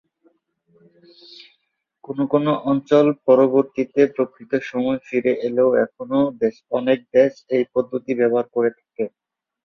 কোনো কোনো অঞ্চল পরবর্তিতে প্রকৃত সময়ে ফিরে এলেও এখনও অনেক দেশ এই পদ্ধতির ব্যবহার করে থাকে।